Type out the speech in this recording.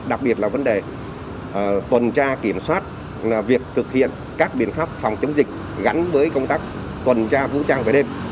đặc biệt là vấn đề tuần tra kiểm soát việc thực hiện các biện pháp phòng chống dịch gắn với công tác tuần tra vũ trang về đêm